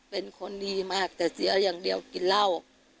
เป็นคนดีมากแต่เสียอย่างเดียวกินเหล้า